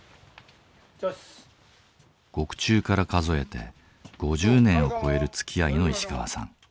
獄中から数えて５０年を超えるつきあいの石川さん。